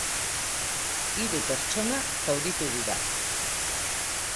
Hiru pertsona zauritu dira.